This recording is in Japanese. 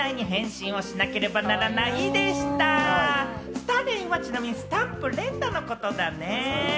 スタ連は、ちなみにスタンプ連打のことだね。